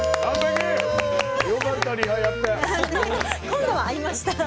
今度は合いました。